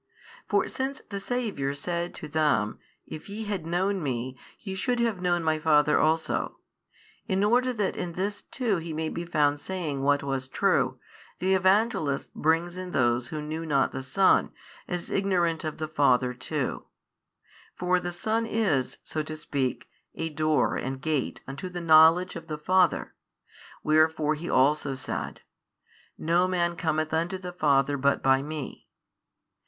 For since the Saviour said to |600 them, If ye had known Me, ye should have known My Father also, in order that in this too He may be found saying what was true, the Evangelist brings in those who know not the Son, as ignorant of the Father too. For the Son is (so to speak) a Door and Gate unto the knowledge of the Father, wherefore He also said, No man cometh unto the Father but by Me.